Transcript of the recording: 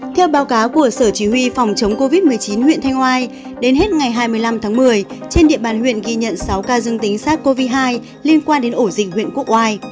theo báo cáo của sở chí huy phòng chống covid một mươi chín huyện thanh oai đến hết ngày hai mươi năm tháng một mươi trên địa bàn huyện ghi nhận sáu ca dương tính sars cov hai liên quan đến ổ dịch huyện quốc oai